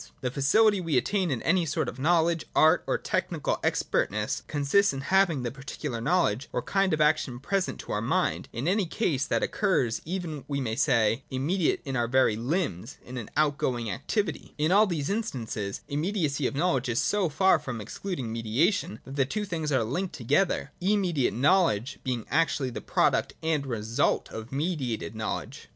The facility we attain in any sort of knowledge, art, or technical expertness, consists in having the particular knowledge or kind of action pre sent to our mind in any case that occurs, even we may say, immediate in our very limbs, in an out going VOL. II. K 130 THIRD ATTITUDE TO OBJECTIVITY. [66, 67. activity. In all these instances, immediacy of know ledge is so far from excluding mediation, that the two things are linked together, — immediate knowledge being actually the product and result of mediated know ledge.